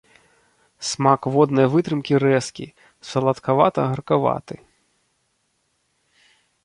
Смак воднай вытрымкі рэзкі, саладкавата-гаркаваты.